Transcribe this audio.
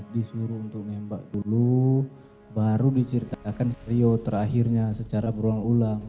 disuruh untuk nembak dulu baru diceritakan strio terakhirnya secara berulang ulang